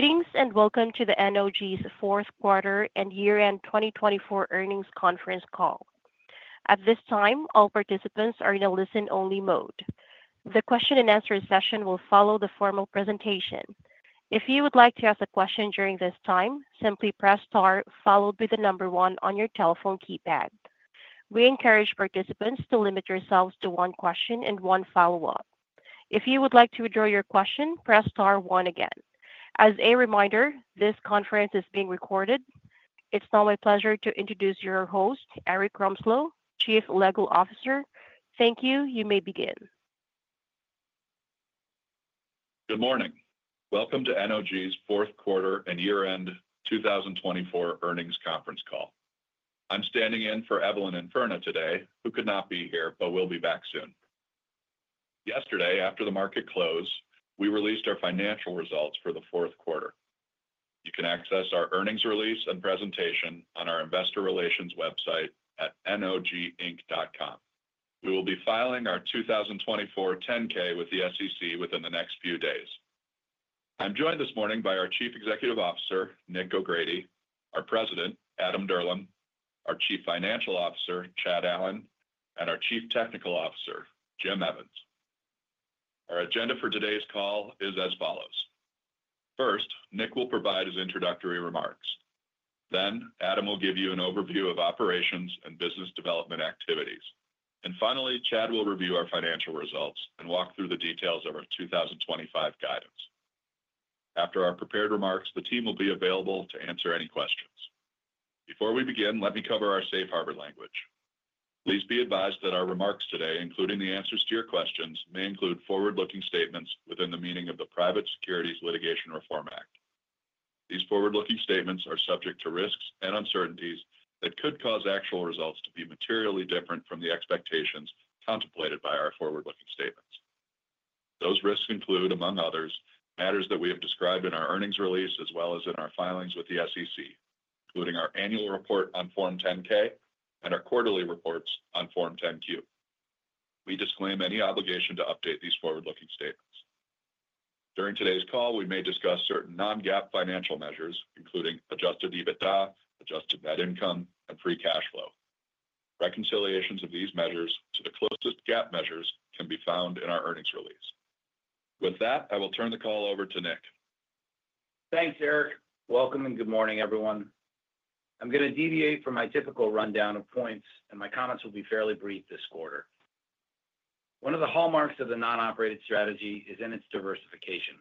Greetings and welcome to the NOG's Fourth Quarter and Year-End 2024 Earnings Conference Call. At this time, all participants are in a listen-only mode. The question-and-answer session will follow the formal presentation. If you would like to ask a question during this time, simply press star, followed by the number one on your telephone keypad. We encourage participants to limit yourselves to one question and one follow-up. If you would like to withdraw your question, press star one again. As a reminder, this conference is being recorded. It's now my pleasure to introduce your host, Erik Romslo, Chief Legal Officer. Thank you. You may begin. Good morning. Welcome to NOG's Fourth Quarter and Year-End 2024 Earnings Conference Call. I'm standing in for Evelyn Infurna today, who could not be here but will be back soon. Yesterday, after the market close, we released our financial results for the fourth quarter. You can access our earnings release and presentation on our investor relations website at noginc.com. We will be filing our 2024 10-K with the SEC within the next few days. I'm joined this morning by our Chief Executive Officer, Nick O'Grady, our President, Adam Dirlam, our Chief Financial Officer, Chad Allen, and our Chief Technical Officer, Jim Evans. Our agenda for today's call is as follows. First, Nick will provide his introductory remarks. Then, Adam will give you an overview of operations and business development activities. And finally, Chad will review our financial results and walk through the details of our 2025 guidance. After our prepared remarks, the team will be available to answer any questions. Before we begin, let me cover our safe harbor language. Please be advised that our remarks today, including the answers to your questions, may include forward-looking statements within the meaning of the Private Securities Litigation Reform Act. These forward-looking statements are subject to risks and uncertainties that could cause actual results to be materially different from the expectations contemplated by our forward-looking statements. Those risks include, among others, matters that we have described in our earnings release as well as in our filings with the SEC, including our annual report on Form 10-K and our quarterly reports on Form 10-Q. We disclaim any obligation to update these forward-looking statements. During today's call, we may discuss certain non-GAAP financial measures, including adjusted EBITDA, adjusted net income, and free cash flow. Reconciliations of these measures to the closest GAAP measures can be found in our earnings release. With that, I will turn the call over to Nick. Thanks, Erik. Welcome and good morning, everyone. I'm going to deviate from my typical rundown of points, and my comments will be fairly brief this quarter. One of the hallmarks of the non-operated strategy is in its diversification.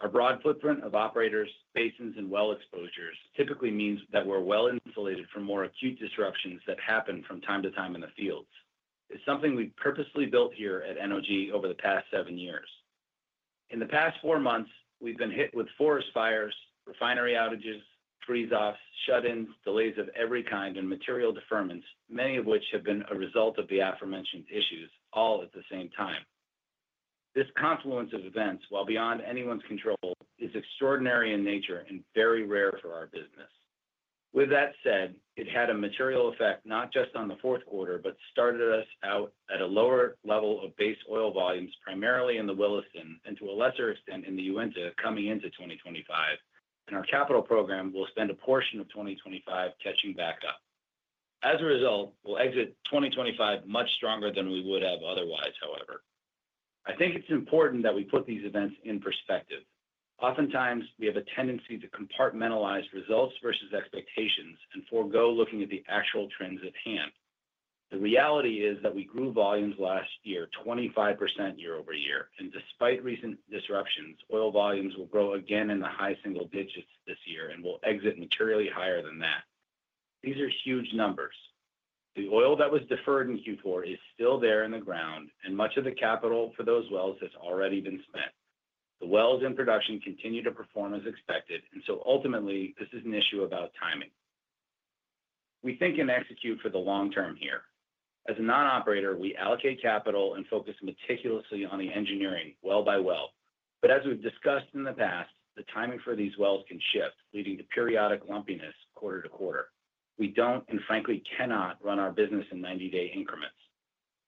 Our broad footprint of operators, basins, and well exposures typically means that we're well insulated from more acute disruptions that happen from time to time in the fields. It's something we've purposely built here at NOG over the past seven years. In the past four months, we've been hit with forest fires, refinery outages, freeze-offs, shut-ins, delays of every kind, and material deferments, many of which have been a result of the aforementioned issues all at the same time. This confluence of events, while beyond anyone's control, is extraordinary in nature and very rare for our business. With that said, it had a material effect not just on the fourth quarter, but started us out at a lower level of base oil volumes, primarily in the Williston, and to a lesser extent in the Uinta coming into 2025, and our capital program will spend a portion of 2025 catching back up. As a result, we'll exit 2025 much stronger than we would have otherwise, however. I think it's important that we put these events in perspective. Oftentimes, we have a tendency to compartmentalize results versus expectations and forgo looking at the actual trends at hand. The reality is that we grew volumes last year 25% year over year, and despite recent disruptions, oil volumes will grow again in the high single digits this year and will exit materially higher than that. These are huge numbers. The oil that was deferred in Q4 is still there in the ground, and much of the capital for those wells has already been spent. The wells in production continue to perform as expected. And so ultimately, this is an issue about timing. We think and execute for the long term here. As a non-operator, we allocate capital and focus meticulously on the engineering well by well. But as we've discussed in the past, the timing for these wells can shift, leading to periodic lumpiness quarter to quarter. We don't and frankly cannot run our business in 90-day increments.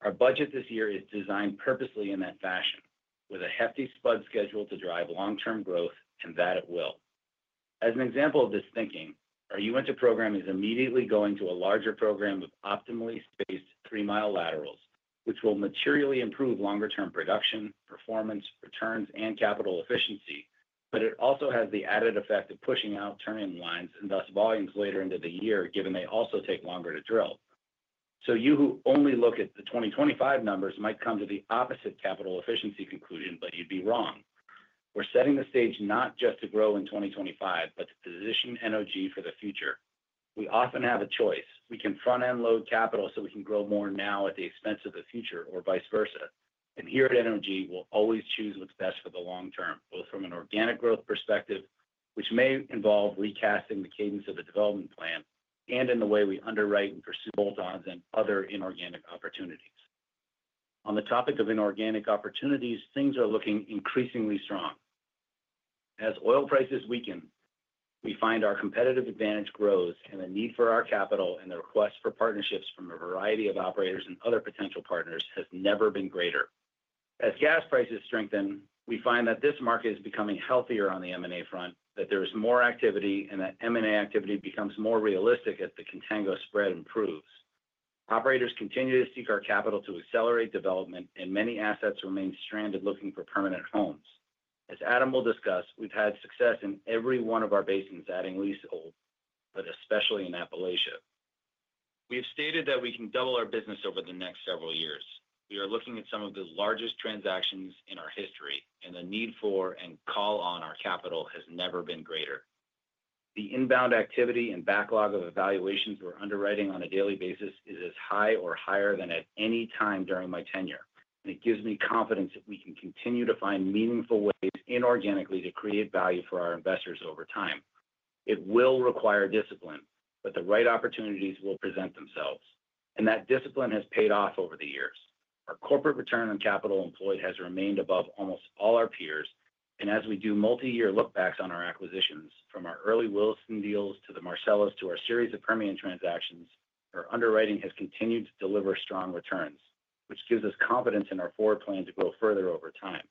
Our budget this year is designed purposely in that fashion, with a hefty spud schedule to drive long-term growth, and that it will. As an example of this thinking, our Uinta program is immediately going to a larger program of optimally spaced three-mile laterals, which will materially improve longer-term production, performance, returns, and capital efficiency. But it also has the added effect of pushing out turn-in-lines and thus volumes later into the year, given they also take longer to drill. So you who only look at the 2025 numbers might come to the opposite capital efficiency conclusion, but you'd be wrong. We're setting the stage not just to grow in 2025, but to position NOG for the future. We often have a choice. We can front-end load capital so we can grow more now at the expense of the future or vice versa. Here at NOG, we'll always choose what's best for the long term, both from an organic growth perspective, which may involve recasting the cadence of the development plan, and in the way we underwrite and pursue bolt-ons and other inorganic opportunities. On the topic of inorganic opportunities, things are looking increasingly strong. As oil prices weaken, we find our competitive advantage grows, and the need for our capital and the request for partnerships from a variety of operators and other potential partners has never been greater. As gas prices strengthen, we find that this market is becoming healthier on the M&A front, that there is more activity, and that M&A activity becomes more realistic as the contango spread improves. Operators continue to seek our capital to accelerate development, and many assets remain stranded looking for permanent homes. As Adam will discuss, we've had success in every one of our basins adding leasehold, but especially in Appalachia. We have stated that we can double our business over the next several years. We are looking at some of the largest transactions in our history, and the need for and call on our capital has never been greater. The inbound activity and backlog of evaluations we're underwriting on a daily basis is as high or higher than at any time during my tenure. And it gives me confidence that we can continue to find meaningful ways inorganically to create value for our investors over time. It will require discipline, but the right opportunities will present themselves. And that discipline has paid off over the years. Our corporate return on capital employed has remained above almost all our peers. As we do multi-year lookbacks on our acquisitions, from our early Williston deals to the Marcellus to our series of Permian transactions, our underwriting has continued to deliver strong returns, which gives us confidence in our forward plan to grow further over time.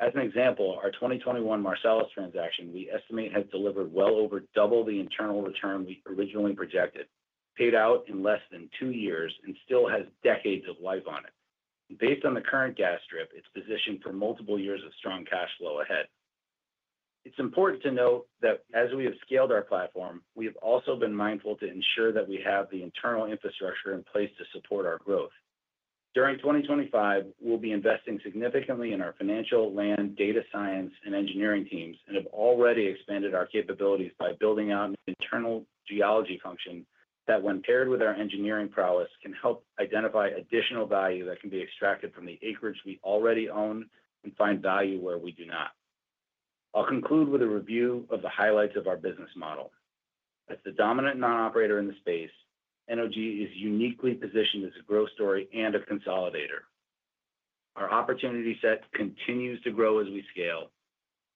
As an example, our 2021 Marcellus transaction, we estimate has delivered well over double the internal return we originally projected, paid out in less than two years, and still has decades of life on it. Based on the current gas strip, it's positioned for multiple years of strong cash flow ahead. It's important to note that as we have scaled our platform, we have also been mindful to ensure that we have the internal infrastructure in place to support our growth. During 2025, we'll be investing significantly in our financial, land, data science, and engineering teams and have already expanded our capabilities by building out an internal geology function that, when paired with our engineering prowess, can help identify additional value that can be extracted from the acreage we already own and find value where we do not. I'll conclude with a review of the highlights of our business model. As the dominant non-operator in the space, NOG is uniquely positioned as a growth story and a consolidator. Our opportunity set continues to grow as we scale.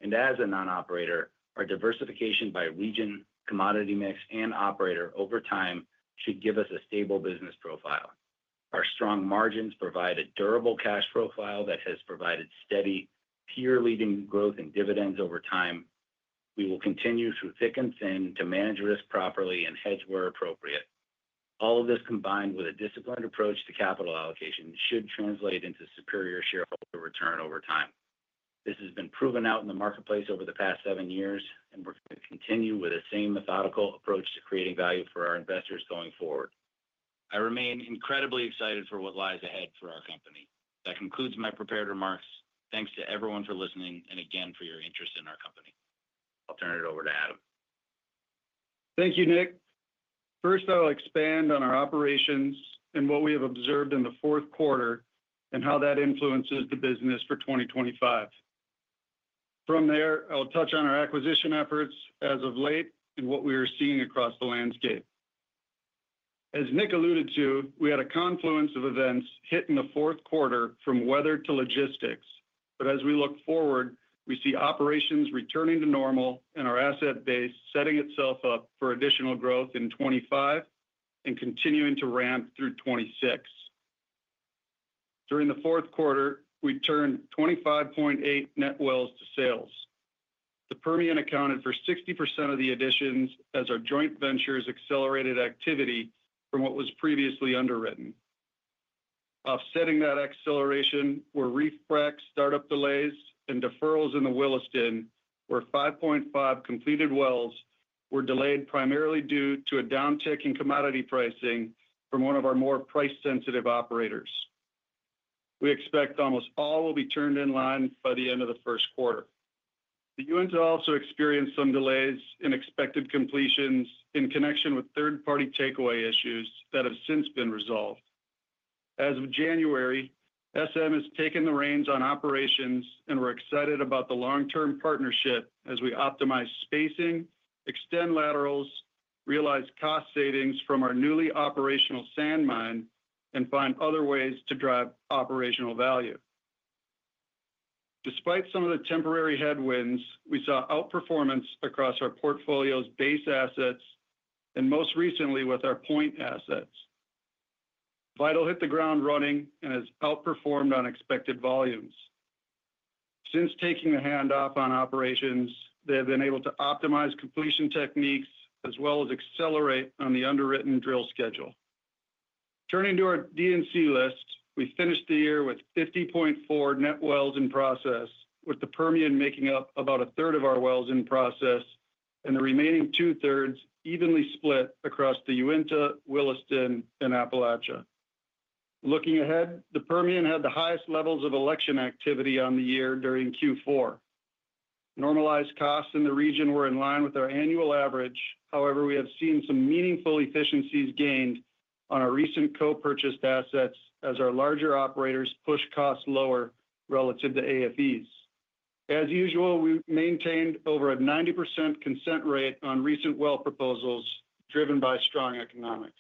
And as a non-operator, our diversification by region, commodity mix, and operator over time should give us a stable business profile. Our strong margins provide a durable cash profile that has provided steady, peer-leading growth and dividends over time. We will continue through thick and thin to manage risk properly and hedge where appropriate. All of this combined with a disciplined approach to capital allocation should translate into superior shareholder return over time. This has been proven out in the marketplace over the past seven years, and we're going to continue with the same methodical approach to creating value for our investors going forward. I remain incredibly excited for what lies ahead for our company. That concludes my prepared remarks. Thanks to everyone for listening and again for your interest in our company. I'll turn it over to Adam. Thank you, Nick. First, I'll expand on our operations and what we have observed in the fourth quarter and how that influences the business for 2025. From there, I'll touch on our acquisition efforts as of late and what we are seeing across the landscape. As Nick alluded to, we had a confluence of events hit in the fourth quarter from weather to logistics. But as we look forward, we see operations returning to normal and our asset base setting itself up for additional growth in 2025 and continuing to ramp through 2026. During the fourth quarter, we turned 25.8 net wells to sales. The Permian accounted for 60% of the additions as our joint ventures accelerated activity from what was previously underwritten. Offsetting that acceleration were re-frac, startup delays, and deferrals in the Williston, where 5.5 completed wells were delayed primarily due to a downtick in commodity pricing from one of our more price-sensitive operators. We expect almost all will be turned in line by the end of the first quarter. The Uinta also experienced some delays in expected completions in connection with third-party takeaway issues that have since been resolved. As of January, SM has taken the reins on operations and we're excited about the long-term partnership as we optimize spacing, extend laterals, realize cost savings from our newly operational sand mine, and find other ways to drive operational value. Despite some of the temporary headwinds, we saw outperformance across our portfolio's base assets and most recently with our Point assets. Vital hit the ground running and has outperformed on expected volumes. Since taking the handoff on operations, they have been able to optimize completion techniques as well as accelerate on the underwritten drill schedule. Turning to our D&C list, we finished the year with 50.4 net wells in process, with the Permian making up about a third of our wells in process and the remaining two-thirds evenly split across the Uinta, Williston, and Appalachia. Looking ahead, the Permian had the highest levels of drilling activity of the year during Q4. Normalized costs in the region were in line with our annual average. However, we have seen some meaningful efficiencies gained on our recent co-purchased assets as our larger operators push costs lower relative to AFEs. As usual, we maintained over a 90% consent rate on recent well proposals driven by strong economics.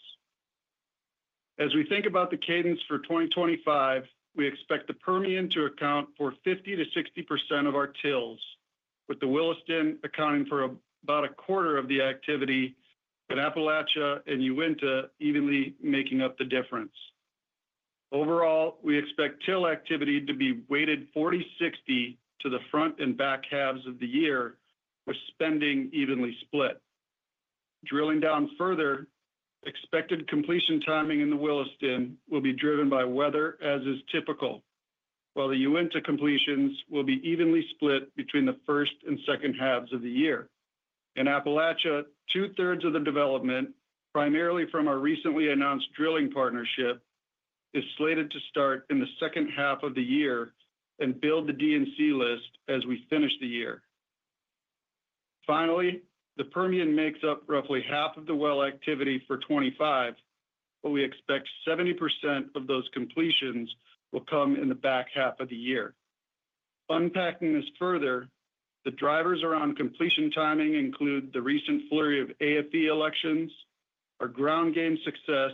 As we think about the cadence for 2025, we expect the Permian to account for 50%-60% of our TILs, with the Williston accounting for about a quarter of the activity, but Appalachia and Uinta evenly making up the difference. Overall, we expect TIL activity to be weighted 40/60 to the front and back halves of the year, with spending evenly split. Drilling down further, expected completion timing in the Williston will be driven by weather as is typical, while the Uinta completions will be evenly split between the first and second halves of the year. In Appalachia, two-thirds of the development, primarily from our recently announced drilling partnership, is slated to start in the second half of the year and build the D&C list as we finish the year. Finally, the Permian makes up roughly half of the well activity for 2025, but we expect 70% of those completions will come in the back half of the year. Unpacking this further, the drivers around completion timing include the recent flurry of AFE elections, our ground game success,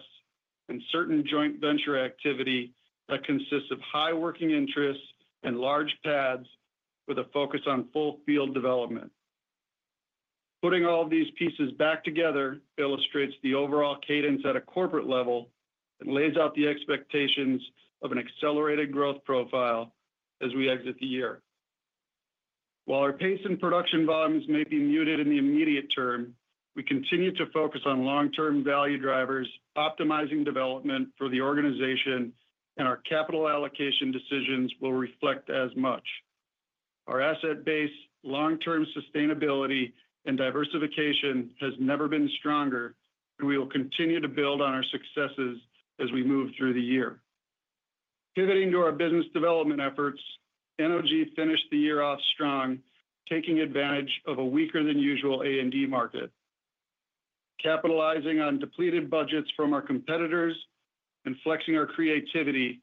and certain joint venture activity that consists of high working interests and large pads with a focus on full field development. Putting all of these pieces back together illustrates the overall cadence at a corporate level and lays out the expectations of an accelerated growth profile as we exit the year. While our pace and production volumes may be muted in the immediate term, we continue to focus on long-term value drivers, optimizing development for the organization, and our capital allocation decisions will reflect as much. Our asset base, long-term sustainability, and diversification has never been stronger, and we will continue to build on our successes as we move through the year. Pivoting to our business development efforts, NOG finished the year off strong, taking advantage of a weaker than usual A&D market. Capitalizing on depleted budgets from our competitors and flexing our creativity,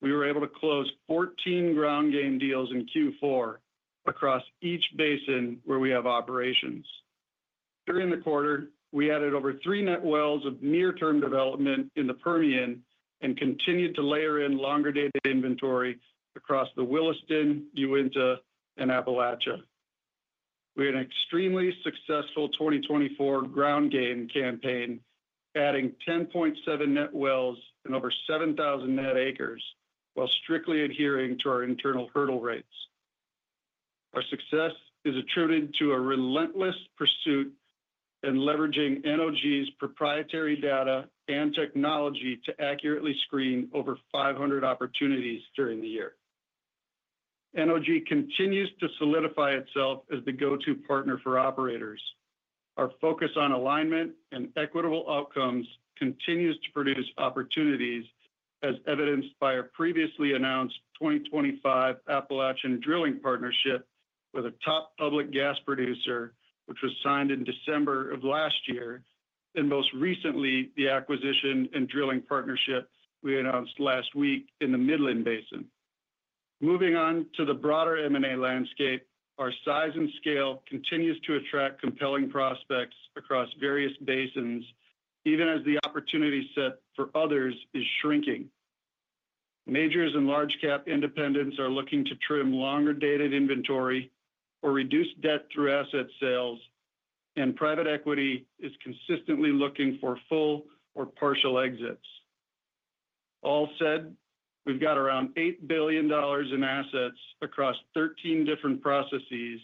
we were able to close 14 ground game deals in Q4 across each basin where we have operations. During the quarter, we added over three net wells of near-term development in the Permian and continued to layer in longer-dated inventory across the Williston, Uinta, and Appalachia. We had an extremely successful 2024 ground game campaign, adding 10.7 net wells and over 7,000 net acres while strictly adhering to our internal hurdle rates. Our success is attributed to a relentless pursuit and leveraging NOG's proprietary data and technology to accurately screen over 500 opportunities during the year. NOG continues to solidify itself as the go-to partner for operators. Our focus on alignment and equitable outcomes continues to produce opportunities, as evidenced by our previously announced 2025 Appalachian drilling partnership with a top public gas producer, which was signed in December of last year, and most recently, the acquisition and drilling partnership we announced last week in the Midland Basin. Moving on to the broader M&A landscape, our size and scale continues to attract compelling prospects across various basins, even as the opportunity set for others is shrinking. Majors and large-cap independents are looking to trim longer-dated inventory or reduce debt through asset sales, and private equity is consistently looking for full or partial exits. All said, we've got around $8 billion in assets across 13 different processes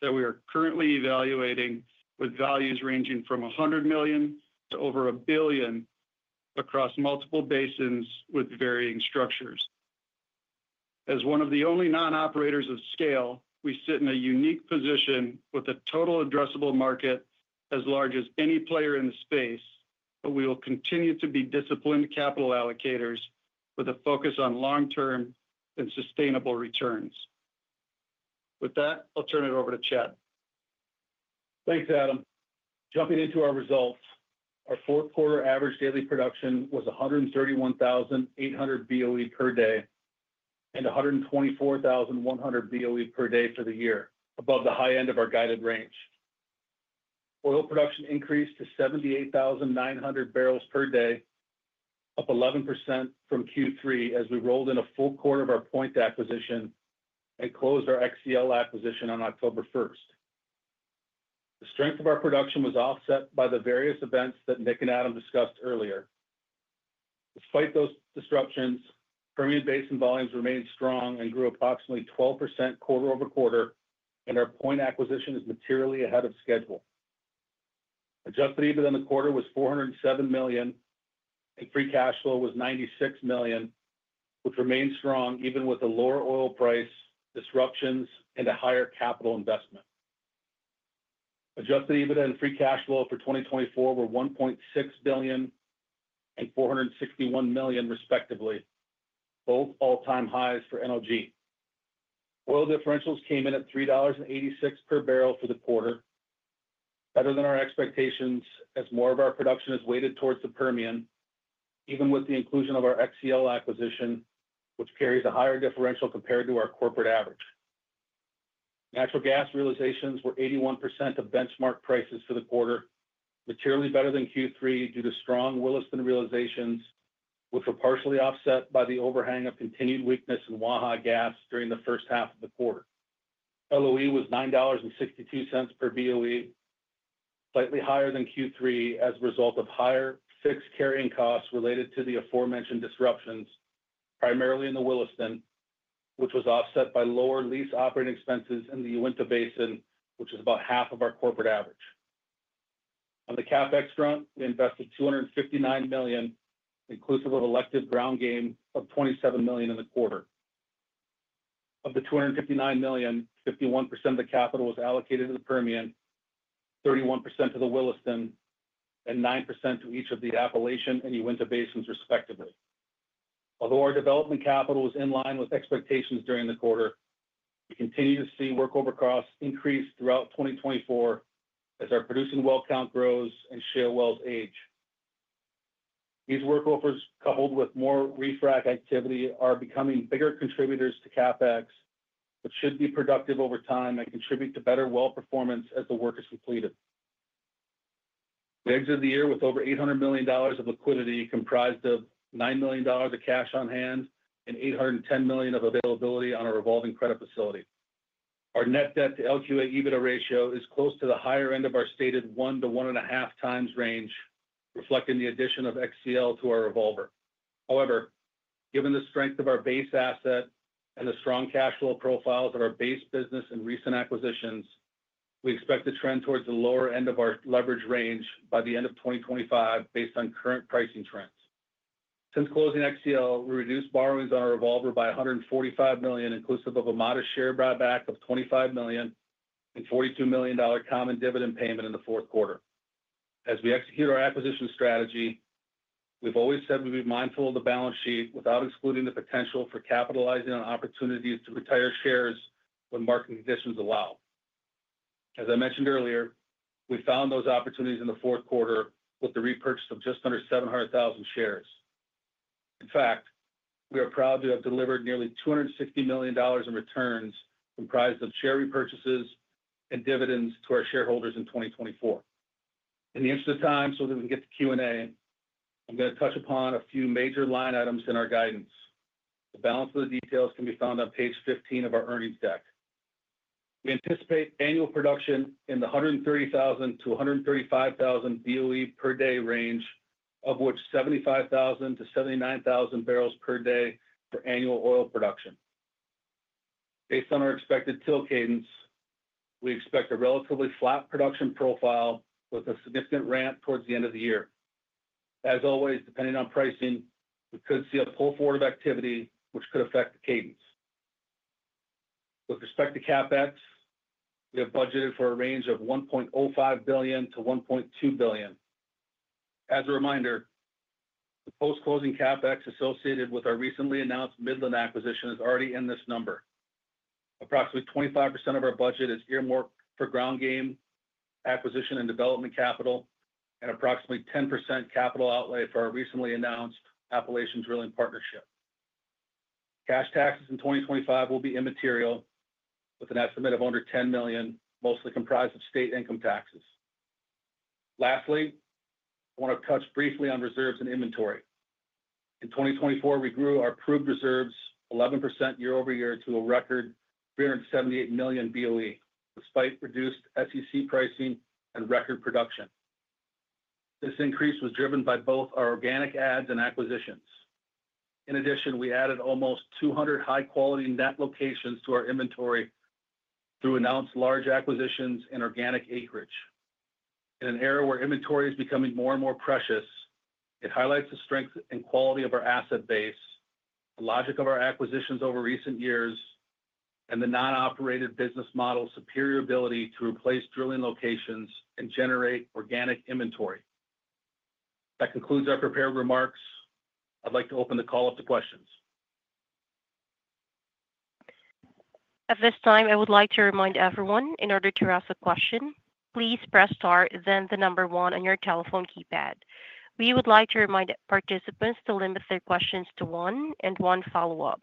that we are currently evaluating, with values ranging from $100 million to over $1 billion across multiple basins with varying structures. As one of the only non-operators of scale, we sit in a unique position with a total addressable market as large as any player in the space, but we will continue to be disciplined capital allocators with a focus on long-term and sustainable returns. With that, I'll turn it over to Chad. Thanks, Adam. Jumping into our results, our fourth quarter average daily production was 131,800 BOE per day and 124,100 BOE per day for the year, above the high end of our guided range. Oil production increased to 78,900 barrels per day, up 11% from Q3 as we rolled in a full quarter of our Point acquisition and closed our XCL acquisition on October 1st. The strength of our production was offset by the various events that Nick and Adam discussed earlier. Despite those disruptions, the Permian Basin volumes remained strong and grew approximately 12% quarter-over-quarter, and our Point acquisition is materially ahead of schedule. Adjusted EBITDA in the quarter was $407 million, and free cash flow was $96 million, which remained strong even with the lower oil price, disruptions, and a higher capital investment. Adjusted EBITDA and free cash flow for 2024 were $1.6 billion and $461 million, respectively, both all-time highs for NOG. Oil differentials came in at $3.86 per barrel for the quarter, better than our expectations as more of our production is weighted towards the Permian, even with the inclusion of our XCL acquisition, which carries a higher differential compared to our corporate average. Natural gas realizations were 81% of benchmark prices for the quarter, materially better than Q3 due to strong Williston realizations, which were partially offset by the overhang of continued weakness in Waha gas during the first half of the quarter. LOE was $9.62 per BOE, slightly higher than Q3 as a result of higher fixed carrying costs related to the aforementioned disruptions, primarily in the Williston, which was offset by lower lease operating expenses in the Uinta Basin, which is about half of our corporate average. On the CapEx front, we invested $259 million, inclusive of elective ground game, of $27 million in the quarter. Of the $259 million, 51% of the capital was allocated to the Permian, 31% to the Williston, and 9% to each of the Appalachian and Uinta Basins, respectively. Although our development capital was in line with expectations during the quarter, we continue to see workover costs increase throughout 2024 as our producing well count grows and shale wells age. These workovers, coupled with more re-frac activity, are becoming bigger contributors to CapEx, which should be productive over time and contribute to better well performance as the work is completed. We exited the year with over $800 million of liquidity comprised of $9 million of cash on hand and $810 million of availability on a revolving credit facility. Our net debt to LQA EBITDA ratio is close to the higher end of our stated one to one and a half times range, reflecting the addition of XCL to our revolver. However, given the strength of our base asset and the strong cash flow profiles of our base business and recent acquisitions, we expect to trend towards the lower end of our leverage range by the end of 2025 based on current pricing trends. Since closing XCL, we reduced borrowings on our revolver by $145 million, inclusive of a modest share buyback of $25 million and $42 million common dividend payment in the fourth quarter. As we execute our acquisition strategy, we've always said we'd be mindful of the balance sheet without excluding the potential for capitalizing on opportunities to retire shares when market conditions allow. As I mentioned earlier, we found those opportunities in the fourth quarter with the repurchase of just under 700,000 shares. In fact, we are proud to have delivered nearly $260 million in returns comprised of share repurchases and dividends to our shareholders in 2024. In the interest of time, so that we can get to Q&A, I'm going to touch upon a few major line items in our guidance. The balance of the details can be found on page 15 of our earnings deck. We anticipate annual production in the 130,000-135,000 BOE per day range, of which 75,000-79,000 barrels per day for annual oil production. Based on our expected TIL cadence, we expect a relatively flat production profile with a significant ramp towards the end of the year. As always, depending on pricing, we could see a pull forward of activity, which could affect the cadence. With respect to CapEx, we have budgeted for a range of $1.05 billion-$1.2 billion. As a reminder, the post-closing CapEx associated with our recently announced the Midland acquisition is already in this number. Approximately 25% of our budget is earmarked for ground game acquisition and development capital, and approximately 10% capital outlay for our recently announced Appalachian drilling partnership. Cash taxes in 2025 will be immaterial, with an estimate of under $10 million, mostly comprised of state income taxes. Lastly, I want to touch briefly on reserves and inventory. In 2024, we grew our proved reserves 11% year-over-year to a record 378 million BOE, despite reduced SEC pricing and record production. This increase was driven by both our organic adds and acquisitions. In addition, we added almost 200 high-quality net locations to our inventory through announced large acquisitions and organic acreage. In an era where inventory is becoming more and more precious, it highlights the strength and quality of our asset base, the logic of our acquisitions over recent years, and the non-operated business model's superior ability to replace drilling locations and generate organic inventory. That concludes our prepared remarks. I'd like to open the call up to questions. At this time, I would like to remind everyone, in order to ask a question, please press star, then the number one on your telephone keypad. We would like to remind participants to limit their questions to one and one follow-up.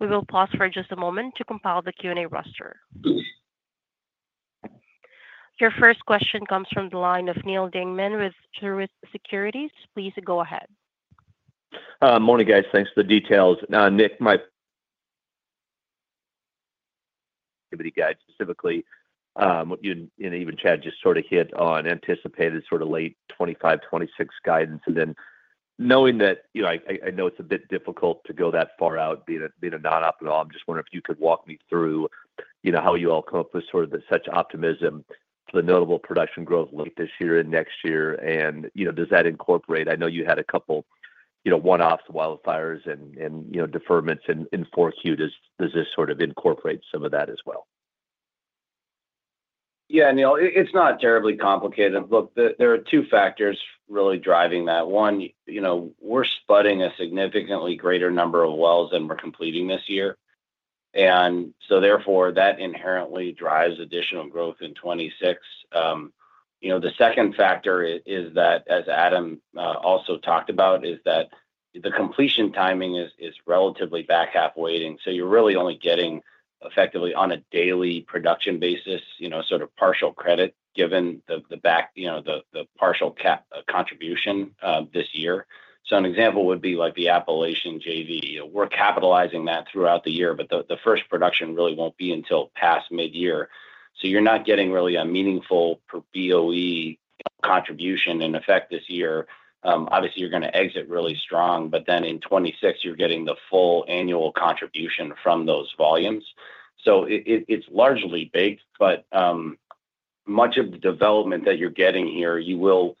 We will pause for just a moment to compile the Q&A roster. Your first question comes from the line of Neal Dingmann with Truist Securities. Please go ahead. Morning, guys. Thanks for the details. Nick, activity guide, specifically what you and even Chad just sort of hit on, anticipated sort of late 2025, 2026 guidance, and then knowing that I know it's a bit difficult to go that far out being a non-operator, I'm just wondering if you could walk me through how you all come up with sort of such optimism for the notable production growth late this year and next year, and does that incorporate? I know you had a couple one-offs, wildfires, and deferments in fourth quarter. Does this sort of incorporate some of that as well? Yeah, Neal, it's not terribly complicated. Look, there are two factors really driving that. One, we're spudding a significantly greater number of wells than we're completing this year. And so therefore, that inherently drives additional growth in 2026. The second factor is that, as Adam also talked about, is that the completion timing is relatively back half weighted. So you're really only getting, effectively, on a daily production basis, sort of partial credit given the partial contribution this year. So an example would be like the Appalachian JV. We're capitalizing that throughout the year, but the first production really won't be until past mid-year. So you're not getting really a meaningful BOE contribution in effect this year. Obviously, you're going to exit really strong, but then in 2026, you're getting the full annual contribution from those volumes. So it's largely baked, but much of the development that you're getting here, you will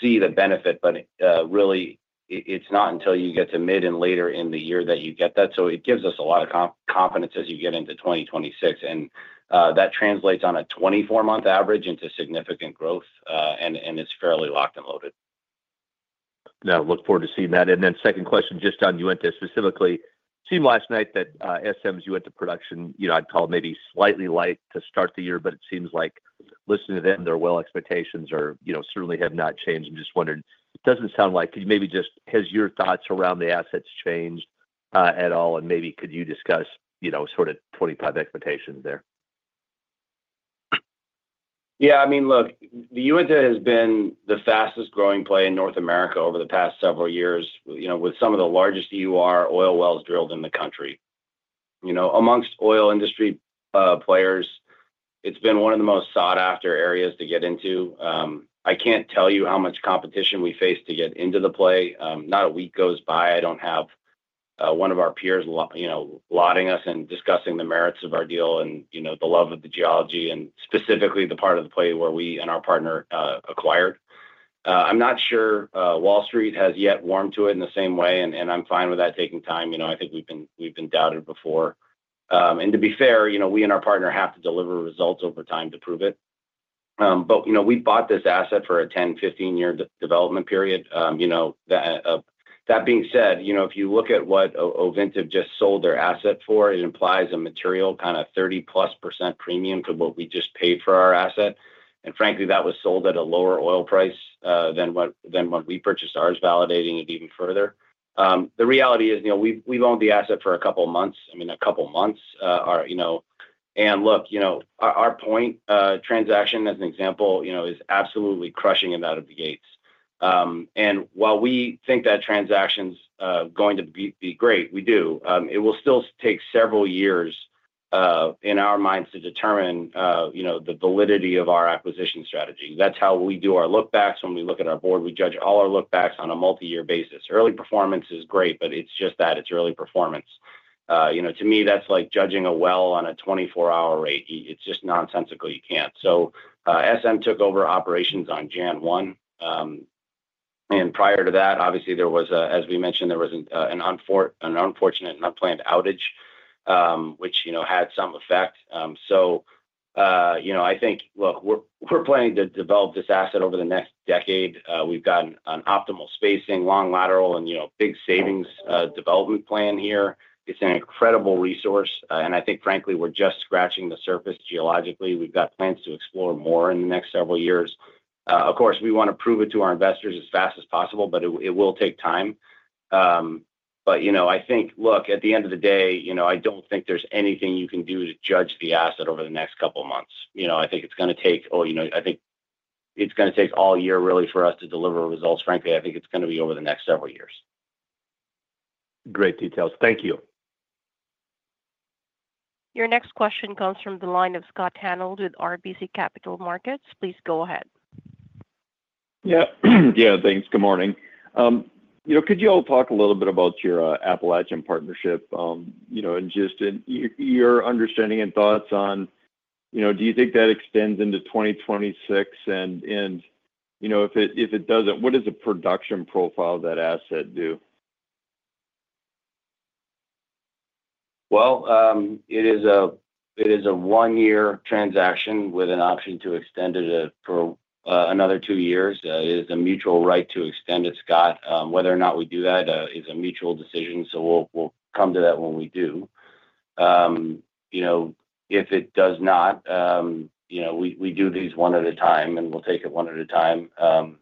see the benefit, but really, it's not until you get to mid and later in the year that you get that. So it gives us a lot of confidence as you get into 2026. And that translates on a 24-month average into significant growth and is fairly locked and loaded. I look forward to seeing that. Second question, just on Uinta, specifically. It seemed last night that SM's Uinta production, I'd call it maybe slightly light to start the year, but it seems like, listening to them, their well expectations certainly have not changed. I just wondered, it doesn't sound like your thoughts around the assets have changed at all? Maybe you could discuss sort of 25 expectations there? Yeah. I mean, look, the Uinta has been the fastest-growing play in North America over the past several years with some of the largest EUR oil wells drilled in the country. Among oil industry players, it's been one of the most sought-after areas to get into. I can't tell you how much competition we face to get into the play. Not a week goes by, I don't have one of our peers lauding us and discussing the merits of our deal and the love of the geology and specifically the part of the play where we and our partner acquired. I'm not sure Wall Street has yet warmed to it in the same way, and I'm fine with that taking time. I think we've been doubted before, and to be fair, we and our partner have to deliver results over time to prove it. But we bought this asset for a 10-15 year development period. That being said, if you look at what Ovintiv just sold their asset for, it implies a material kind of 30%+ premium to what we just paid for our asset. And frankly, that was sold at a lower oil price than when we purchased ours, validating it even further. The reality is we've owned the asset for a couple of months, I mean, a couple of months. And look, our Point transaction, as an example, is absolutely crushing and out of the gates. And while we think that transaction's going to be great, we do, it will still take several years in our minds to determine the validity of our acquisition strategy. That's how we do our look-backs. When we look at our board, we judge all our look-backs on a multi-year basis. Early performance is great, but it's just that it's early performance. To me, that's like judging a well on a 24-hour rate. It's just nonsensical. You can't. So SM took over operations on January 1. And prior to that, obviously, there was, as we mentioned, an unfortunate and unplanned outage, which had some effect. So I think, look, we're planning to develop this asset over the next decade. We've got an optimal spacing, long lateral, and big savings development plan here. It's an incredible resource. And I think, frankly, we're just scratching the surface geologically. We've got plans to explore more in the next several years. Of course, we want to prove it to our investors as fast as possible, but it will take time. But I think, look, at the end of the day, I don't think there's anything you can do to judge the asset over the next couple of months. I think it's going to take, oh, all year, really, for us to deliver results. Frankly, I think it's going to be over the next several years. Great details. Thank you. Your next question comes from the line of Scott Hanold with RBC Capital Markets. Please go ahead. Yeah. Yeah. Thanks. Good morning. Could you all talk a little bit about your Appalachian partnership and just your understanding and thoughts on do you think that extends into 2026? And if it doesn't, what does the production profile of that asset do? It is a one-year transaction with an option to extend it for another two years. It is a mutual right to extend it, Scott. Whether or not we do that is a mutual decision. So we'll come to that when we do. If it does not, we do these one at a time, and we'll take it one at a time.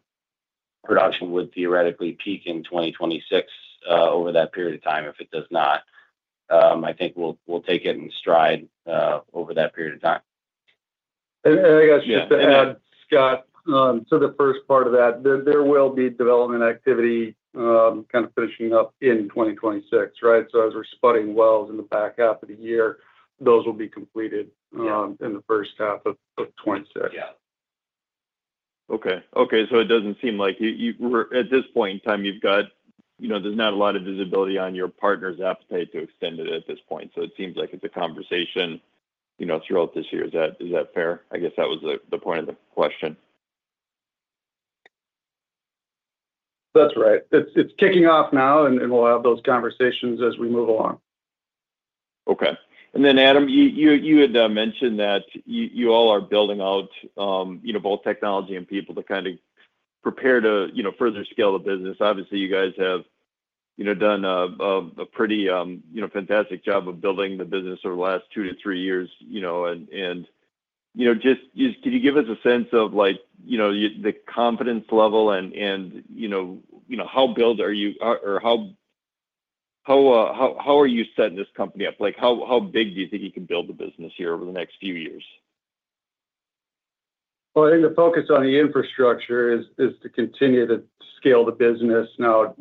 Production would theoretically peak in 2026 over that period of time. If it does not, I think we'll take it in stride over that period of time. I guess just to add, Scott, to the first part of that, there will be development activity kind of finishing up in 2026, right? As we're spudding wells in the back half of the year, those will be completed in the first half of 2026. Yeah. Okay. Okay. So it doesn't seem like at this point in time, you've got. There's not a lot of visibility on your partner's appetite to extend it at this point. So it seems like it's a conversation throughout this year. Is that fair? I guess that was the point of the question. That's right. It's kicking off now, and we'll have those conversations as we move along. Okay. And then, Adam, you had mentioned that you all are building out both technology and people to kind of prepare to further scale the business. Obviously, you guys have done a pretty fantastic job of building the business over the last two to three years. And just could you give us a sense of the confidence level and how built are you or how are you setting this company up? How big do you think you can build the business here over the next few years? Well, I think the focus on the infrastructure is to continue to scale the business. Now,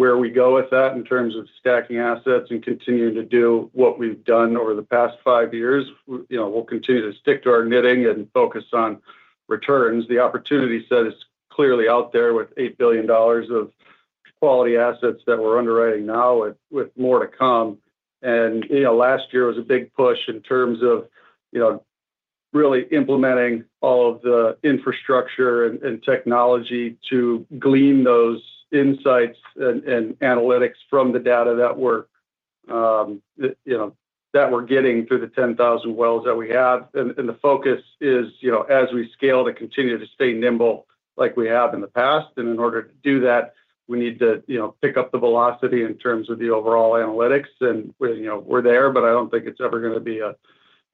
where we go with that in terms of stacking assets and continuing to do what we've done over the past five years, we'll continue to stick to our knitting and focus on returns. The opportunity set is clearly out there with $8 billion of quality assets that we're underwriting now with more to come. And last year was a big push in terms of really implementing all of the infrastructure and technology to glean those insights and analytics from the data that we're getting through the 10,000 wells that we have. And the focus is, as we scale, to continue to stay nimble like we have in the past. In order to do that, we need to pick up the velocity in terms of the overall analytics. We're there, but I don't think it's ever going to be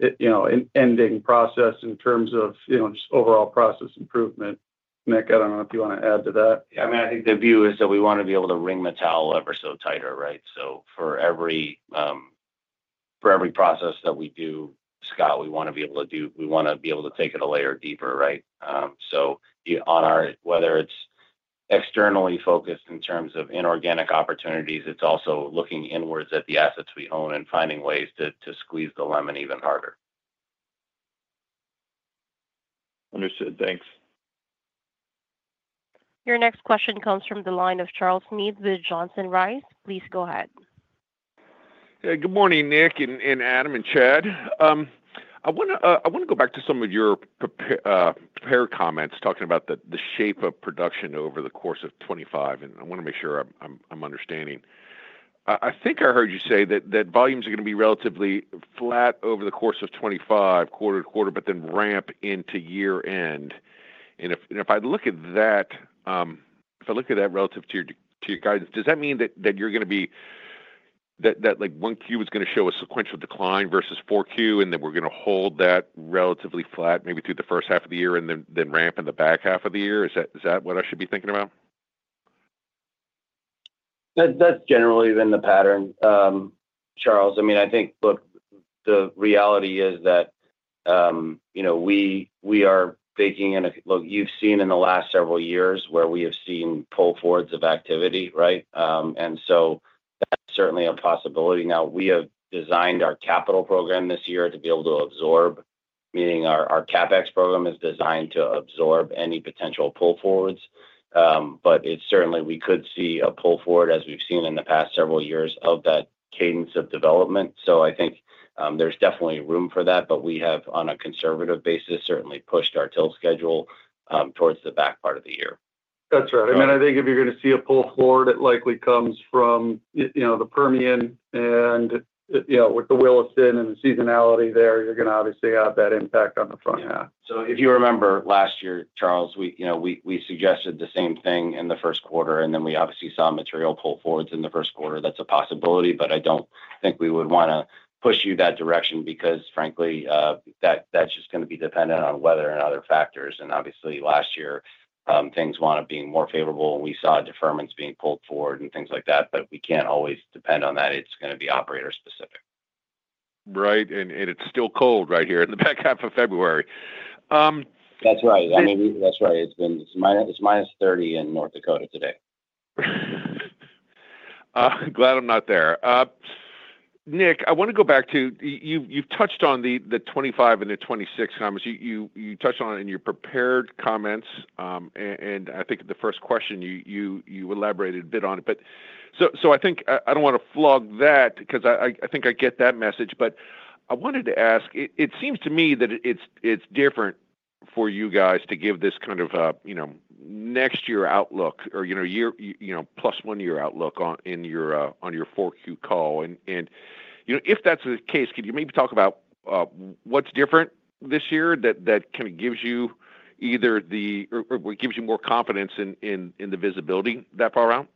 an ending process in terms of just overall process improvement. Nick, I don't know if you want to add to that. Yeah. I mean, I think the view is that we want to be able to wring the towel ever so tighter, right? So for every process that we do, Scott, we want to be able to take it a layer deeper, right? So whether it's externally focused in terms of inorganic opportunities, it's also looking inwards at the assets we own and finding ways to squeeze the lemon even harder. Understood. Thanks. Your next question comes from the line of Charles Meade with Johnson Rice. Please go ahead. Good morning, Nick, and Adam, and Chad. I want to go back to some of your prepared comments talking about the shape of production over the course of 2025. I want to make sure I'm understanding. I think I heard you say that volumes are going to be relatively flat over the course of 2025, quarter to quarter, but then ramp into year-end. If I look at that, if I look at that relative to your guidance, does that mean that you're going to be that 1Q is going to show a sequential decline versus 4Q, and then we're going to hold that relatively flat maybe through the first half of the year and then ramp in the back half of the year? Is that what I should be thinking about? That's generally been the pattern, Charles. I mean, I think, look, the reality is that we are baking in a look, you've seen in the last several years where we have seen pull forwards of activity, right? And so that's certainly a possibility. Now, we have designed our capital program this year to be able to absorb, meaning our CapEx program is designed to absorb any potential pull forwards. But certainly, we could see a pull forward, as we've seen in the past several years, of that cadence of development. So I think there's definitely room for that, but we have, on a conservative basis, certainly pushed our TIL schedule towards the back part of the year. That's right. I mean, I think if you're going to see a pull forward, it likely comes from the Permian and with the Williston and the seasonality there, you're going to obviously have that impact on the front half. So if you remember last year, Charles, we suggested the same thing in the first quarter, and then we obviously saw material pull forwards in the first quarter. That's a possibility, but I don't think we would want to push you that direction because, frankly, that's just going to be dependent on weather and other factors. And obviously, last year, things weren't more favorable. We saw deferments being pulled forward and things like that, but we can't always depend on that. It's going to be operator-specific. Right, and it's still cold right here in the back half of February. That's right. I mean, that's right. It's -30 degrees Fahrenheit in North Dakota today. Glad I'm not there. Nick, I want to go back to you've touched on the 2025 and the 2026 comments. You touched on it in your prepared comments, and I think the first question, you elaborated a bit on it. So I think I don't want to flog that because I think I get that message. But I wanted to ask, it seems to me that it's different for you guys to give this kind of next-year outlook or plus-one-year outlook on your 4Q call. And if that's the case, could you maybe talk about what's different this year that kind of gives you either the or gives you more confidence in the visibility that far out?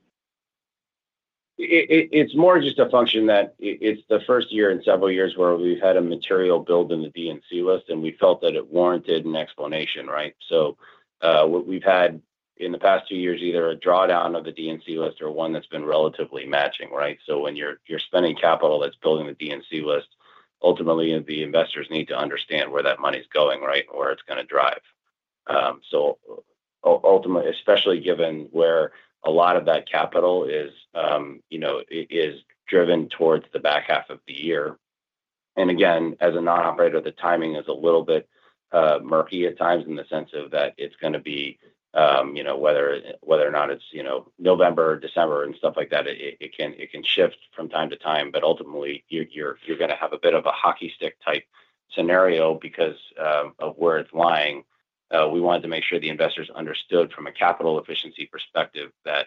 It's more just a function that it's the first year in several years where we've had a material build in the D&C list, and we felt that it warranted an explanation, right? So we've had in the past two years either a drawdown of the D&C list or one that's been relatively matching, right? So when you're spending capital that's building the D&C list, ultimately, the investors need to understand where that money's going, right, and where it's going to drive. So ultimately, especially given where a lot of that capital is driven towards the back half of the year, and again, as a non-operator, the timing is a little bit murky at times in the sense of that it's going to be whether or not it's November, December, and stuff like that, it can shift from time to time. But ultimately, you're going to have a bit of a hockey stick-type scenario because of where it's lying. We wanted to make sure the investors understood from a capital efficiency perspective that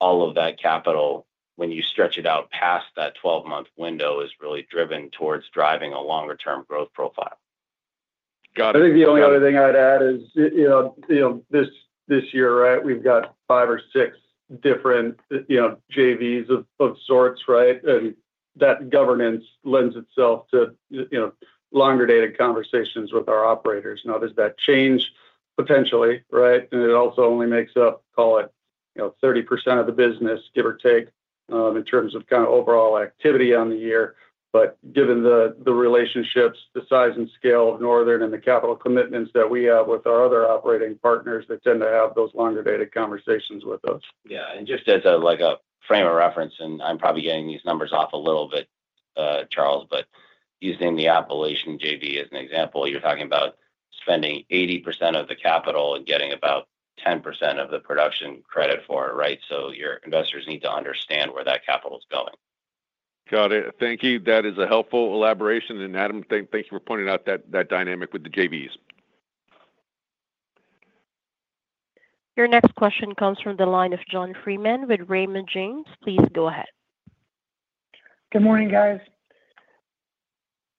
all of that capital, when you stretch it out past that 12-month window, is really driven towards driving a longer-term growth profile. Got it. I think the only other thing I'd add is this year, right, we've got five or six different JVs of sorts, right? And that governance lends itself to longer-dated conversations with our operators. Now, does that change potentially, right? And it also only makes up, call it, 30% of the business, give or take, in terms of kind of overall activity on the year. But given the relationships, the size and scale of the Northern and the capital commitments that we have with our other operating partners, they tend to have those longer-dated conversations with us. Yeah. And just as a frame of reference, and I'm probably getting these numbers off a little bit, Charles, but using the Appalachian JV as an example, you're talking about spending 80% of the capital and getting about 10% of the production credit for it, right? So your investors need to understand where that capital is going. Got it. Thank you. That is a helpful elaboration. And Adam, thank you for pointing out that dynamic with the JVs. Your next question comes from the line of John Freeman with Raymond James. Please go ahead. Good morning, guys.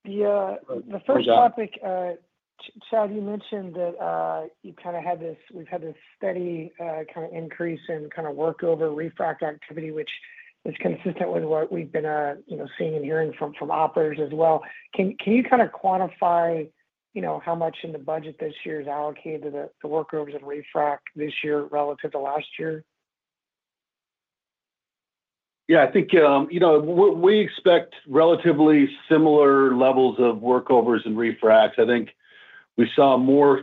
The first topic, Chad, you mentioned that you kind of had this we've had this steady kind of increase in kind of workover, re-frac activity, which is consistent with what we've been seeing and hearing from operators as well. Can you kind of quantify how much in the budget this year is allocated to the workovers and re-frac this year relative to last year? Yeah. I think we expect relatively similar levels of workovers and re-fracs. I think we saw more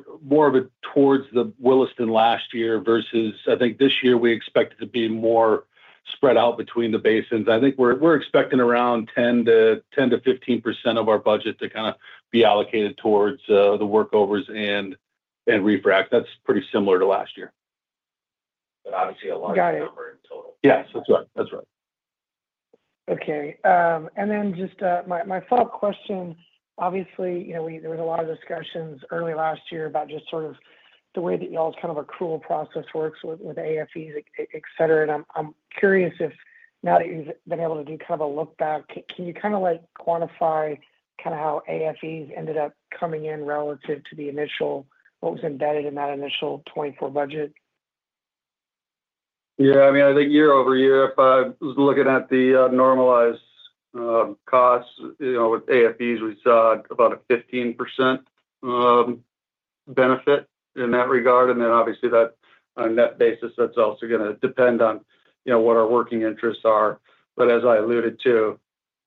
of it towards the Williston last year versus I think this year we expect it to be more spread out between the basins. I think we're expecting around 10%-15% of our budget to kind of be allocated towards the workovers and re-frac. That's pretty similar to last year. But obviously, a larger number in total. Yeah. That's right. That's right. Okay. And then just my follow-up question, obviously, there was a lot of discussions early last year about just sort of the way that y'all's kind of accrual process works with AFEs, etc. And I'm curious if now that you've been able to do kind of a look back, can you kind of quantify kind of how AFEs ended up coming in relative to the initial what was embedded in that initial 2024 budget? Yeah. I mean, I think year-over-year, if I was looking at the normalized costs with AFEs, we saw about a 15% benefit in that regard. And then obviously, on that basis, that's also going to depend on what our working interests are. But as I alluded to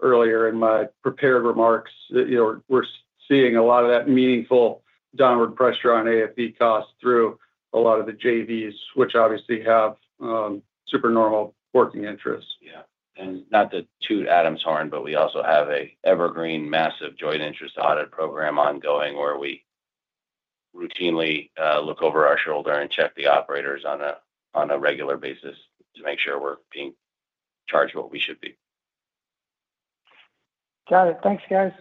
earlier in my prepared remarks, we're seeing a lot of that meaningful downward pressure on AFE costs through a lot of the JVs, which obviously have super normal working interests. Yeah, and not to toot Adam's horn, but we also have an evergreen massive joint interest audit program ongoing where we routinely look over our shoulder and check the operators on a regular basis to make sure we're being charged what we should be. Got it. Thanks, guys.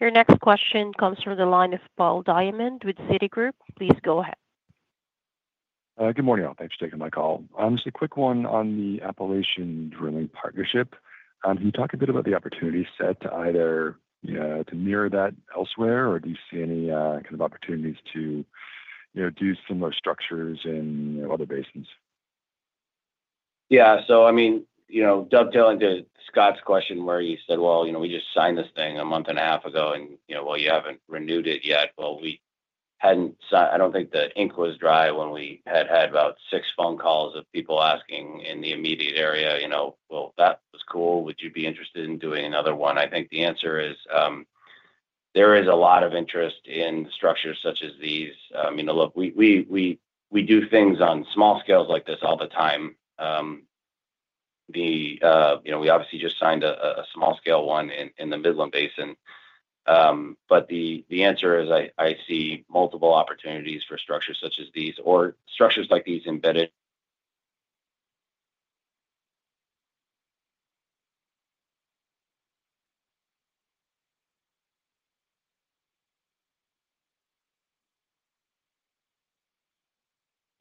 Your next question comes from the line of Paul Diamond with Citi. Please go ahead. Good morning, all. Thanks for taking my call. Just a quick one on the Appalachian Drilling Partnership. Can you talk a bit about the opportunity set to either mirror that elsewhere, or do you see any kind of opportunities to do similar structures in other basins? Yeah. So I mean, dovetailing to Scott's question where he said, Well, we just signed this thing a month and a half ago, and, well, you haven't renewed it yet. Well, I don't think the ink was dry when we had had about six phone calls of people asking in the immediate area, well, that was cool. Would you be interested in doing another one? I think the answer is there is a lot of interest in structures such as these. I mean, look, we do things on small scales like this all the time. We obviously just signed a small-scale one in the Midland Basin. But the answer is I see multiple opportunities for structures such as these or structures like these embedded.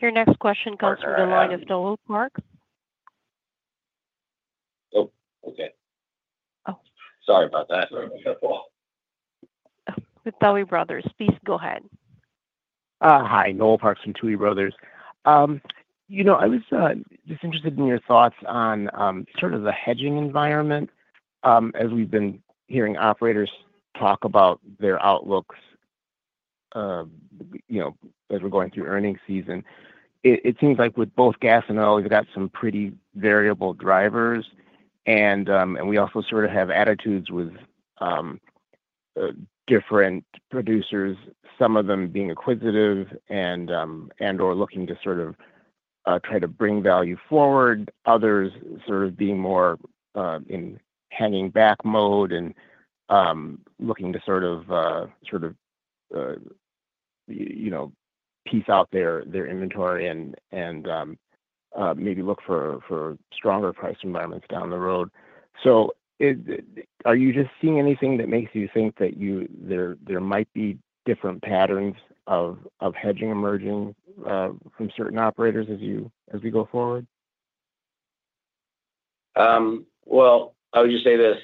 Your next question comes from the line of Noel Parks. Oh, okay. Sorry about that. From Tuohy Brothers. Please go ahead. Hi. Noel Parks from Tuohy Brothers. I was just interested in your thoughts on sort of the hedging environment. As we've been hearing operators talk about their outlooks as we're going through earnings season, it seems like with both gas and oil, you've got some pretty variable drivers. And we also sort of have attitudes with different producers, some of them being acquisitive and/or looking to sort of try to bring value forward, others sort of being more in hanging back mode and looking to sort of piece out their inventory and maybe look for stronger price environments down the road. So are you just seeing anything that makes you think that there might be different patterns of hedging emerging from certain operators as we go forward? I would just say this.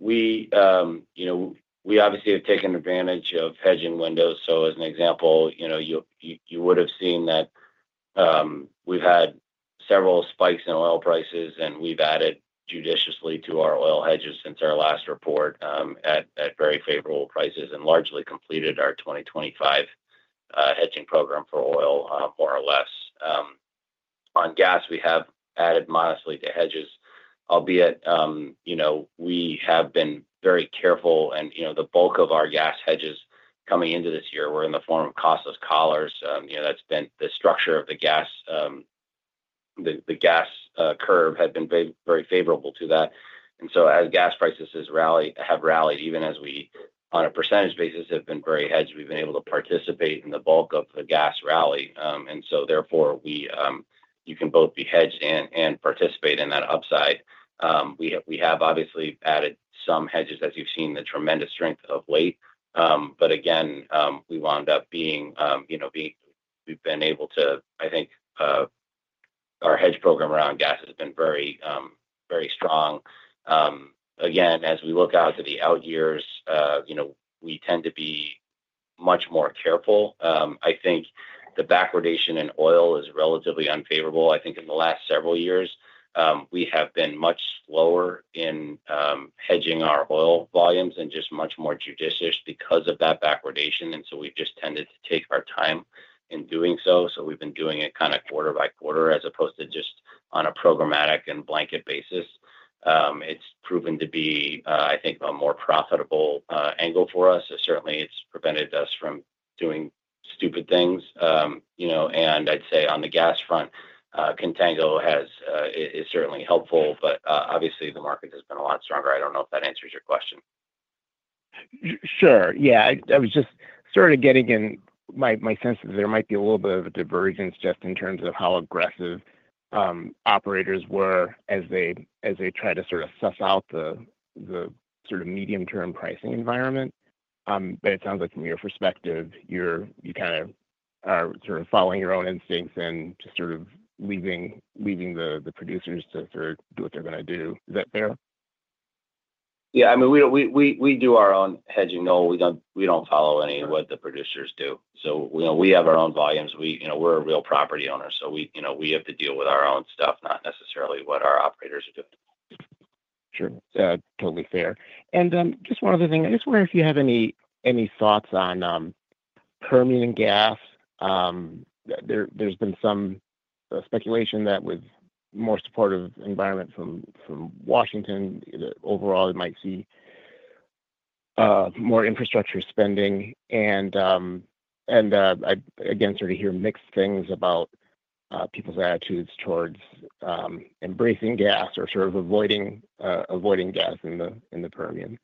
We obviously have taken advantage of hedging windows. So as an example, you would have seen that we've had several spikes in oil prices, and we've added judiciously to our oil hedges since our last report at very favorable prices and largely completed our 2025 hedging program for oil, more or less. On gas, we have added modestly to hedges, albeit we have been very careful. And the bulk of our gas hedges coming into this year were in the form of costless collars. That's been the structure of the gas. The gas curve had been very favorable to that. And so as gas prices have rallied, even as we, on a percentage basis, have been very hedged, we've been able to participate in the bulk of the gas rally. And so therefore, you can both be hedged and participate in that upside. We have obviously added some hedges, as you've seen the tremendous strength of late. But again, we've been able to, I think, our hedge program around gas has been very strong. Again, as we look out to the out years, we tend to be much more careful. I think the backwardation in oil is relatively unfavorable. I think in the last several years, we have been much slower in hedging our oil volumes and just much more judicious because of that backwardation. And so we've just tended to take our time in doing so. So we've been doing it kind of quarter by quarter as opposed to just on a programmatic and blanket basis. It's proven to be, I think, a more profitable angle for us. Certainly, it's prevented us from doing stupid things. And I'd say on the gas front, contango is certainly helpful, but obviously, the market has been a lot stronger. I don't know if that answers your question. Sure. Yeah. I was just sort of getting in my sense that there might be a little bit of a divergence just in terms of how aggressive operators were as they try to sort of suss out the sort of medium-term pricing environment. But it sounds like from your perspective, you kind of are sort of following your own instincts and just sort of leaving the producers to sort of do what they're going to do. Is that fair? Yeah. I mean, we do our own hedging. We don't follow any of what the producers do. So we have our own volumes. We're a real property owner. So we have to deal with our own stuff, not necessarily what our operators are doing. Sure. Totally fair. And just one other thing. I just wonder if you have any thoughts on permitting gas? There's been some speculation that with more supportive environment from Washington, overall, it might see more infrastructure spending. And again, sort of hear mixed things about people's attitudes towards embracing gas or sort of avoiding gas in the Permian.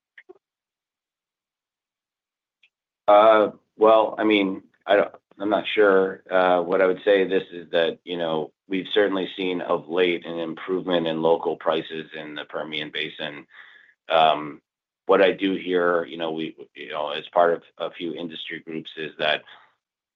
Well, I mean, I'm not sure. What I would say to this is that we've certainly seen of late an improvement in local prices in the Permian Basin. What I do hear as part of a few industry groups is that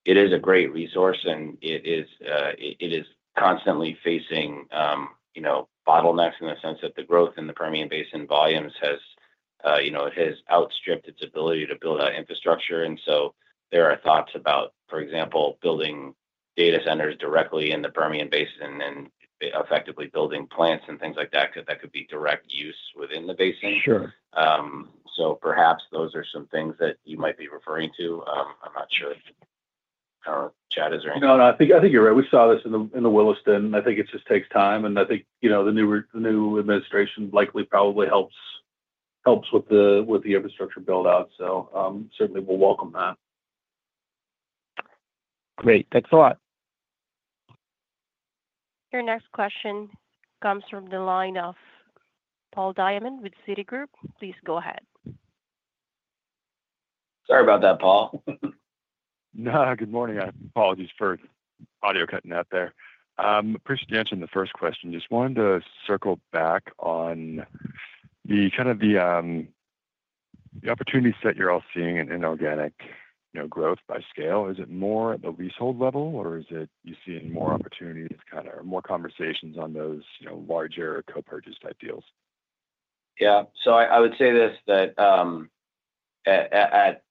it is a great resource, and it is constantly facing bottlenecks in the sense that the growth in the Permian Basin volumes has outstripped its ability to build out infrastructure. And so there are thoughts about, for example, building data centers directly in the Permian Basin and effectively building plants and things like that that could be direct use within the basin. So perhaps those are some things that you might be referring to. I'm not sure. Chad, is there anything? No, no. I think you're right. We saw this in the Williston. I think it just takes time, and I think the new administration likely probably helps with the infrastructure build-out, so certainly, we'll welcome that. Great. Thanks a lot. Your next question comes from the line of Paul Diamond with Citi. Please go ahead. Sorry about that, Paul. No, good morning. Apologies for audio cutting out there. Appreciate you answering the first question. Just wanted to circle back on kind of the opportunities that you're all seeing in organic growth by scale. Is it more at the leasehold level, or is it you seeing more opportunities, kind of more conversations on those larger co-purchase type deals? Yeah. So I would say this that at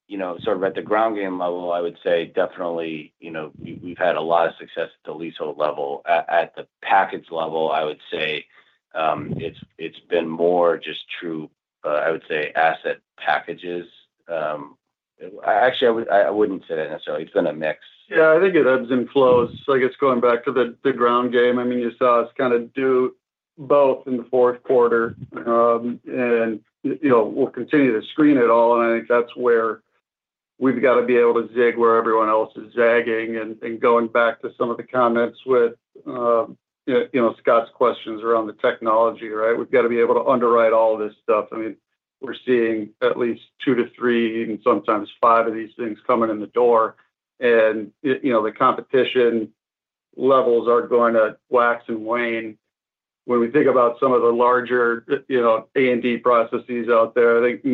sort of at the ground game level, I would say definitely we've had a lot of success at the leasehold level. At the package level, I would say it's been more just true, I would say, asset packages. Actually, I wouldn't say that necessarily. It's been a mix. Yeah. I think it ebbs and flows. It's going back to the ground game. I mean, you saw us kind of do both in the fourth quarter, and we'll continue to screen it all. And I think that's where we've got to be able to zig where everyone else is zagging. And going back to some of the comments with Scott's questions around the technology, right? We've got to be able to underwrite all this stuff. I mean, we're seeing at least two to three and sometimes five of these things coming in the door. And the competition levels are going to wax and wane. When we think about some of the larger A&D processes out there, I think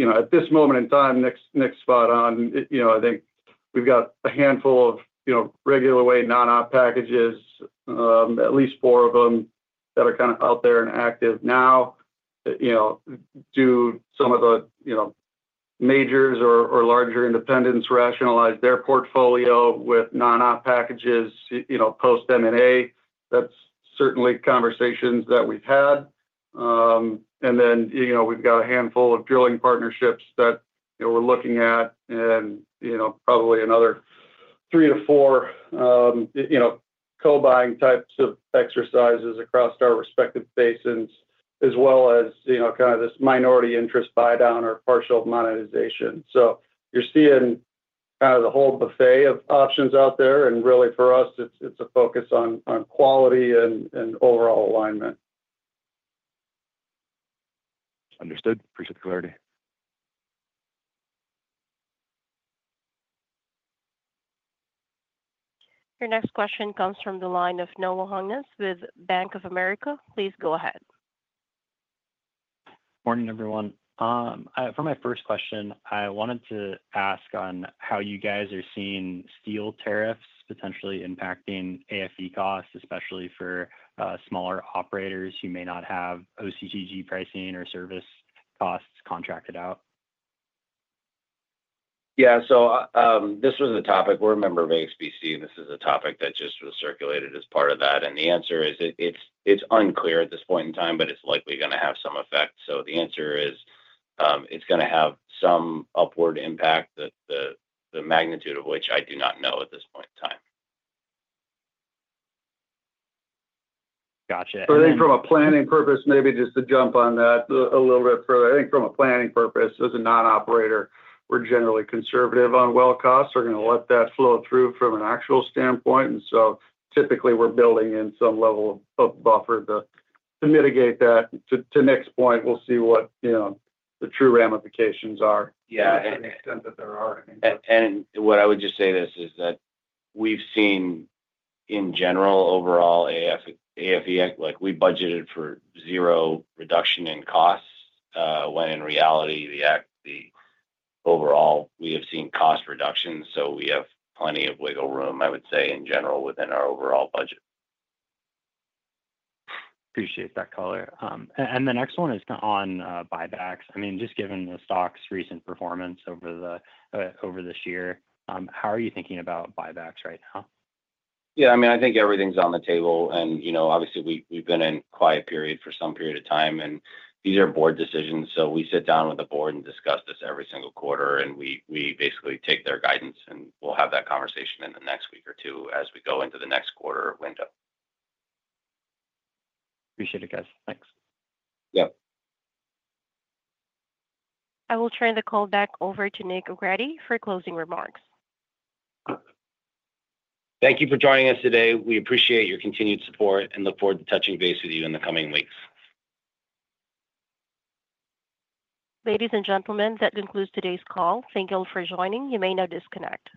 at this moment in time, Nick's spot on. I think we've got a handful of regular way non-op packages, at least four of them that are kind of out there and active now. Do some of the majors or larger independents rationalize their portfolio with non-op packages post-M&A? That's certainly conversations that we've had. And then we've got a handful of drilling partnerships that we're looking at and probably another three to four co-buying types of exercises across our respective basins, as well as kind of this minority interest buy-down or partial monetization. So you're seeing kind of the whole buffet of options out there. And really, for us, it's a focus on quality and overall alignment. Understood. Appreciate the clarity. Your next question comes from the line of Noah Hungness with Bank of America. Please go ahead. Morning, everyone. For my first question, I wanted to ask on how you guys are seeing steel tariffs potentially impacting AFE costs, especially for smaller operators who may not have OCTG pricing or service costs contracted out. Yeah, so this was a topic. We're a member of AXPC. This is a topic that just was circulated as part of that. And the answer is it's unclear at this point in time, but it's likely going to have some effect, so the answer is it's going to have some upward impact, the magnitude of which I do not know at this point in time. Gotcha. But I think from a planning purpose, maybe just to jump on that a little bit further, as a non-operator, we're generally conservative on well costs. We're going to let that flow through from an actual standpoint. And so typically, we're building in some level of buffer to mitigate that. To Nick's point, we'll see what the true ramifications are. Yeah. To the extent that there are. I mean. What I would just say to this is that we've seen, in general, overall, AFE. We budgeted for zero reduction in costs when, in reality, overall, we have seen cost reductions. So we have plenty of wiggle room, I would say, in general, within our overall budget. Appreciate that color. The next one is on buybacks. I mean, just given the stock's recent performance over this year, how are you thinking about buybacks right now? Yeah. I mean, I think everything's on the table. And obviously, we've been in quiet period for some period of time. And these are board decisions. So we sit down with the board and discuss this every single quarter. And we basically take their guidance. And we'll have that conversation in the next week or two as we go into the next quarter window. Appreciate it, guys. Thanks. Yep. I will turn the call back over to Nick O'Grady for closing remarks. Thank you for joining us today. We appreciate your continued support and look forward to touching base with you in the coming weeks. Ladies and gentlemen, that concludes today's call. Thank you all for joining. You may now disconnect.